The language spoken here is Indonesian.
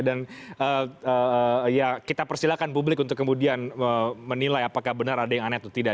dan ya kita persilahkan publik untuk kemudian menilai apakah benar ada yang aneh atau tidak